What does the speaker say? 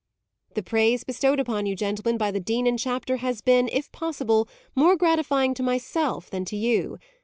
"The praise bestowed upon you, gentlemen, by the Dean and Chapter has been, if possible, more gratifying to myself than to you.